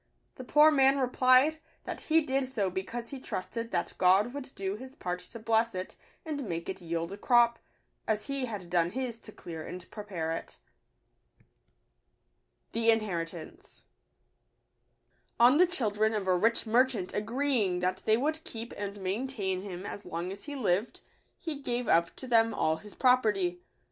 The poor man replied, that he did so because he trusted that God would do His part to bless it and make it yield a crop, as he had done his to clear and prepare it. 68 Digitized by v^ooQle Inheritance. N the children of a rich merchant agreeing that they would keep and maintain him as long as he lived, he gave up to them all his property.